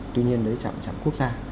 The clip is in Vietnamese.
tuy nhiên đấy trạm quốc gia